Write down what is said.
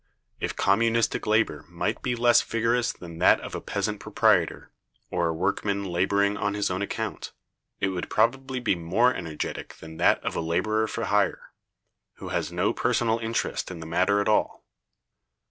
If Communistic labor might be less vigorous than that of a peasant proprietor, or a workman laboring on his own account, it would probably be more energetic than that of a laborer for hire, who has no personal interest in the matter at all.